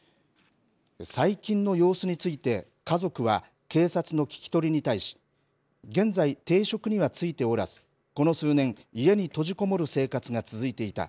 最近の様子について、家族は警察の聞き取りに対し、現在、定職には就いておらず、この数年、家に閉じこもる生活が続いていた。